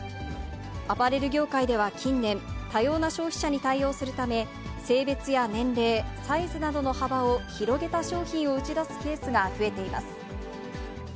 アパレル業界では近年、多様な消費者に対応するため、性別や年齢、サイズなどの幅を広げた商品を打ち出すケースが増えています。